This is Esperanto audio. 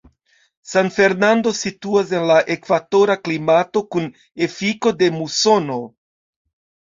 San Fernando situas en la ekvatora klimato kun efiko de musono.